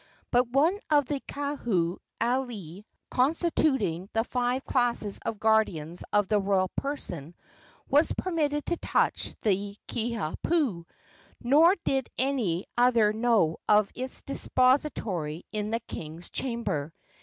But one of the Kahu alii, constituting the five classes of guardians of the royal person, was permitted to touch the Kiha pu, nor did any other know of its depository in the king's chamber.